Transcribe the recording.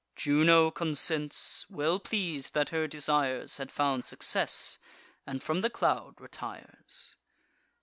Juno consents, well pleas'd that her desires Had found success, and from the cloud retires.